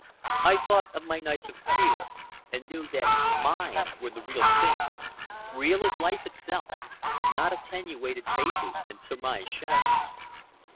I thought of my nights of fear, and knew that mine were the real things—real as life itself, not attenuated vapors and surmised shadows.